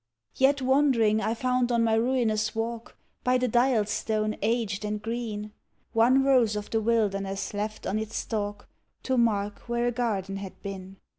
Yet wandering I found on my ruinous walk, By the dial stone aged and green, One rose of the wilderness left on its stalk, To mark where a garden had been.